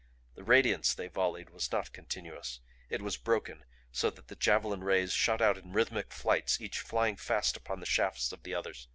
The radiance they volleyed was not continuous; it was broken, so that the javelin rays shot out in rhythmic flights, each flying fast upon the shafts of the others.